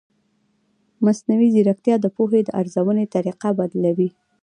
مصنوعي ځیرکتیا د پوهې د ارزونې طریقه بدلوي.